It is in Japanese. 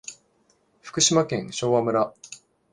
福島県昭和村